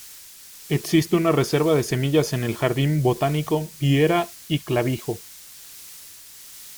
Existe una reserva de semillas en el jardín Botánico Viera y Clavijo.